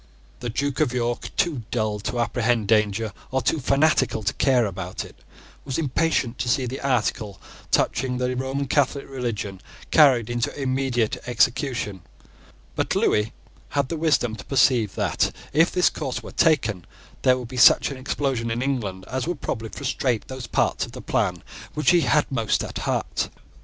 The Duke of York, too dull to apprehend danger, or too fanatical to care about it, was impatient to see the article touching the Roman Catholic religion carried into immediate execution: but Lewis had the wisdom to perceive that, if this course were taken, there would be such an explosion in England as would probably frustrate those parts of the plan which he had most at heart.